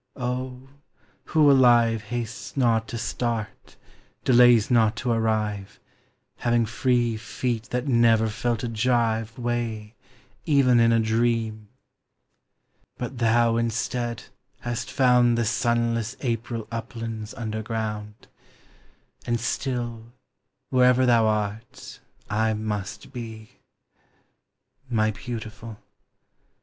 Oh, who alive Bastes not to start, delays do1 to rirri Having free feel thai never fell a uv 1 ' Weigh, even in a dream? 3G4 POEMS OF XATURE. But thou, instead, hast found The sunless April uplands underground, And still, wherever thou art, I must be. My beautiful